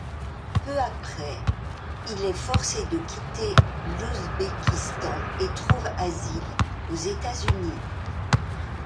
Peu après, il est forcé de quitter l'Ouzbékistan et trouve asile aux États-Unis.